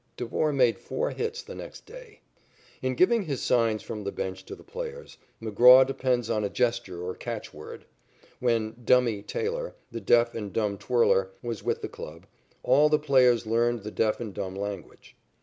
Devore made four hits the next day. In giving his signs from the bench to the players, McGraw depends on a gesture or catch word. When "Dummy" Taylor, the deaf and dumb twirler, was with the club, all the players learned the deaf and dumb language.